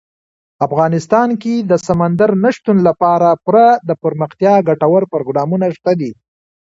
افغانستان کې د سمندر نه شتون لپاره پوره دپرمختیا ګټور پروګرامونه شته دي.